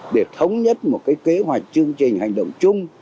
để thống nhất một cái kế hoạch chương trình hành động chung